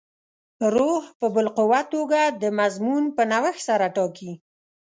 روح په باالقوه توګه د مضمون په نوښت سره ټاکي.